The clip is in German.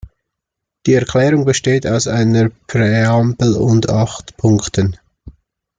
Die Erklärung besteht aus einer Präambel und acht Punkten.